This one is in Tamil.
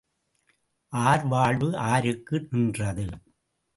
ஆர் வாழ்வு ஆருக்கு நின்றது?